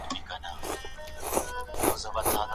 تحفې ډيرې مهمې نه وې.